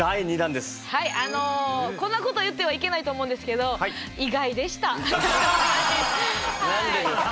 あのこんなこと言ってはいけないと思うんですけどなんでですか？